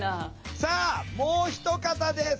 さあもう一方です。